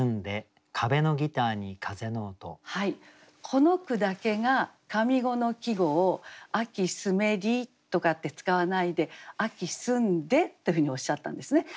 この句だけが上五の季語を「秋澄めり」とかって使わないで「秋澄んで」ってふうにおっしゃったんですね。